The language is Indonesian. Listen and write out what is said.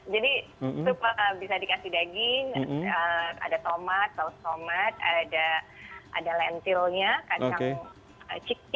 jadi sup bisa dikasih daging ada tomat saus tomat ada lentilnya kadang cipis ya